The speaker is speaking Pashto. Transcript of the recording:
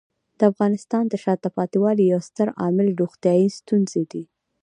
د افغانستان د شاته پاتې والي یو ستر عامل روغتیايي ستونزې دي.